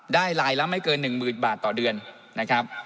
ลายละไม่เกิน๑๐๐๐บาทต่อเดือนนะครับ